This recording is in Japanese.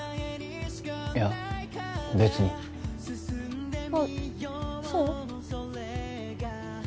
いや別にあっそう？